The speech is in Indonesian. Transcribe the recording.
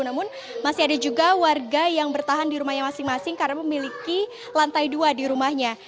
namun masih ada juga warga yang bertahan di rumahnya masing masing karena memiliki lantai dua di rumahnya